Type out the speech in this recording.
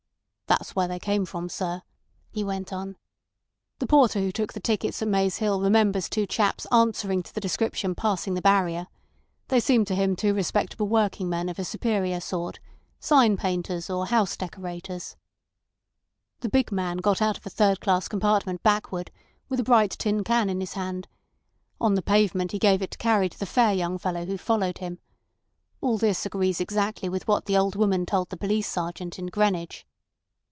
"That's where they came from, sir," he went on. "The porter who took the tickets at Maze Hill remembers two chaps answering to the description passing the barrier. They seemed to him two respectable working men of a superior sort—sign painters or house decorators. The big man got out of a third class compartment backward, with a bright tin can in his hand. On the platform he gave it to carry to the fair young fellow who followed him. All this agrees exactly with what the old woman told the police sergeant in Greenwich."